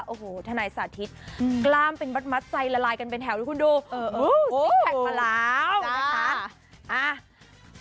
โอ้โหธนัยสาธิตกล้ามเป็นบัดมัดใจละลายกันเป็นแถวดูสิคแพคมาแล้ว